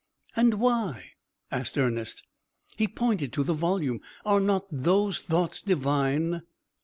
"And why?" asked Ernest. He pointed to the volume. "Are not those thoughts divine?"